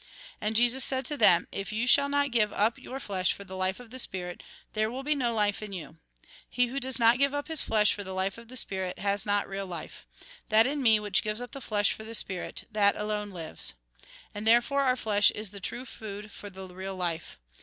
And Jesus said to them :" If you shall not give up your flesh for the life of the spirit, there will be no life in you. He who does not give up his flesh for the life of the spirit, has not real life. That in me which gives up the flesh for the spirit, that alone lives. " And therefore, our flesh is the true food for the real life.